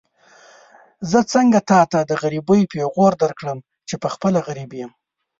زه څنګه تاته د غريبۍ پېغور درکړم چې پخپله غريب يم.